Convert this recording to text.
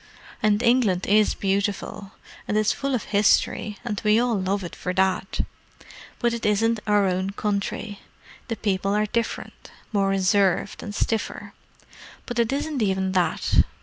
And England is beautiful, and it's full of history, and we all love it for that. But it isn't our own country. The people are different—more reserved, and stiffer. But it isn't even that.